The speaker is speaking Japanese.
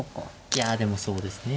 いやでもそうですね。